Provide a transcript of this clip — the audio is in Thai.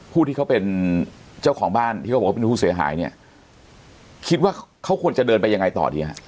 ผู้ที่เขาเป็นเจ้าของบ้านที่เขาบอกว่าเป็นผู้เสียหายเนี่ยคิดว่าเขาควรจะเดินไปยังไงต่อดีฮะ